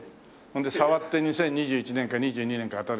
ほんで触って２０２１年か２２年か当てるから。